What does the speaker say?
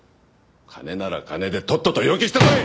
金なら金でとっとと要求してこい！